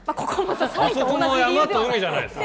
あそこも山と海じゃないですか。